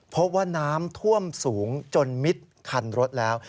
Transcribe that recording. พบว่าน้ำท่วมสูงจนมิดคันรถแล้ว